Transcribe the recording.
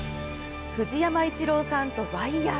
藤山一郎さんとワイヤー。